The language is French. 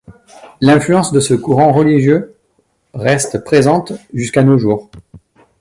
L'influence de ce courant religieux reste présente jusqu'à nos jours.